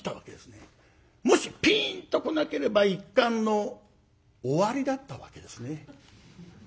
もしピーンと来なければ一巻の終わりだったわけですね。